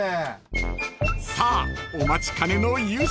［さあお待ちかねの夕食］